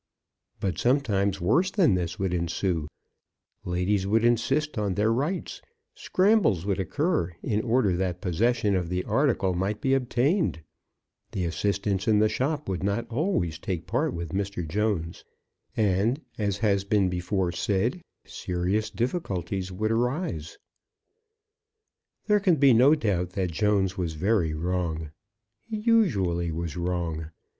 But sometimes worse than this would ensue; ladies would insist on their rights; scrambles would occur in order that possession of the article might be obtained; the assistants in the shop would not always take part with Mr. Jones; and, as has been before said, serious difficulties would arise. There can be no doubt that Jones was very wrong. He usually was wrong.